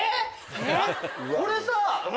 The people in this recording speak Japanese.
これさ。